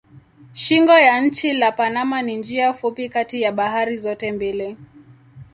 Shingo ya nchi la Panama ni njia fupi kati ya bahari zote mbili.